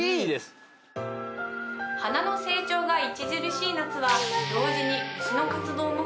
花の成長が著しい夏は同時に。